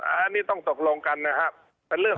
อันนี้ต้องตกลงกันนะครับ